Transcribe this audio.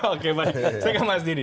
oke baik sekarang mas didi